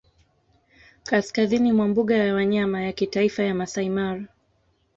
kaskazini mwa mbuga ya wanyama ya kitaifa ya Maasai Mara